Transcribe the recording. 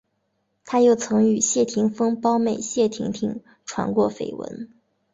他又曾与谢霆锋胞妹谢婷婷传过绯闻。